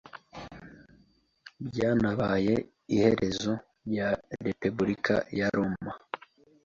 byanabaye iherezo rya Repubulika ya Roma